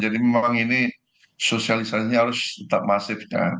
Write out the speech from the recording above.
jadi memang ini sosialisasinya harus tetap masif ya